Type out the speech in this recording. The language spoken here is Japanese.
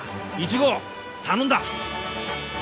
１号頼んだ！ＯＫ！